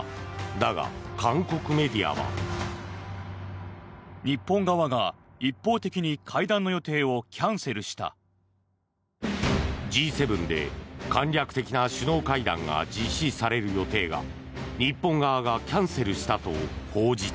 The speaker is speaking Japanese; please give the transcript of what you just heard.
だが、韓国メディアは。Ｇ７で、簡略的な首脳会談が実施される予定が日本側がキャンセルしたと報じた。